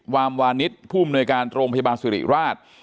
วามวานิสผู้อำนวยการโรงพยาบาลสิริราช